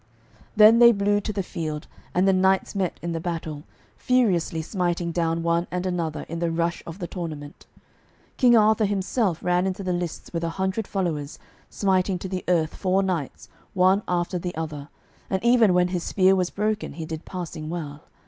Then they blew to the field, and the knights met in the battle, furiously smiting down one and another in the rush of the tournament. King Arthur himself ran into the lists with a hundred followers, smiting to the earth four knights, one after the other, and even when his spear was broken he did passing well.